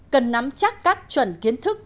cần nắm chắc các chuẩn kiến thức